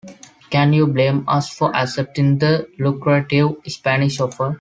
Can you blame us for accepting the lucrative Spanish offer?